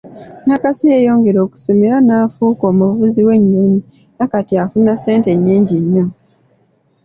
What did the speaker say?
Nakasi yeyongera okusoma era naafuka omuvuzi w’ennyonnyi era kati afuna ssente nnyingi nnyo.